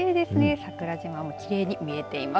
桜島もきれいに見えています。